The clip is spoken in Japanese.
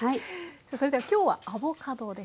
それでは今日はアボカドですね。